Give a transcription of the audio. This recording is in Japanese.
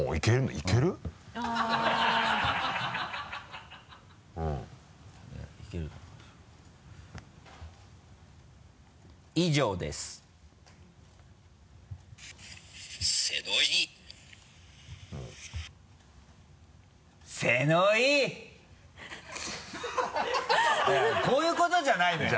いやいやこういうことじゃないのよ！